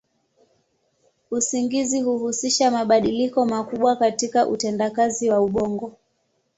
Usingizi huhusisha mabadiliko makubwa katika utendakazi wa ubongo.